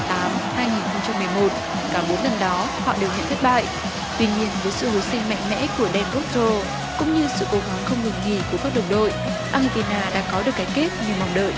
dan potro cũng như sự cố gắng không ngừng nghỉ của các đồng đội argentina đã có được cái kết như mong đợi